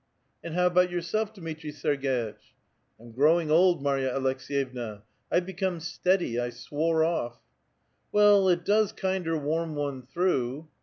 '* And how about yourself, Dmitri Serg^itch?" "I'm growing old, Marya Aleks^yevna; I've become steady. 1 swore off." Well, it does kinder warm one through."